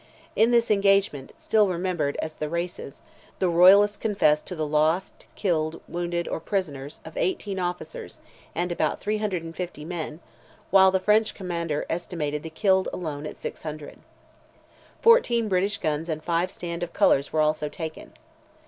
In this engagement, still remembered as "the races," the royalists confessed to the loss, killed, wounded, or prisoners, of 18 officers, and about 350 men, while the French commander estimated the killed alone at 600. Fourteen British guns and five stand of colours were also taken.